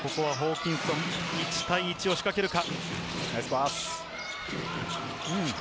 ホーキンソン、１対１を仕掛けるか？